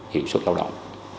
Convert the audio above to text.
hiệu suất lao động